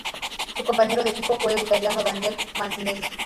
Su compañero de equipo fue el Italiano Daniel Mancinelli.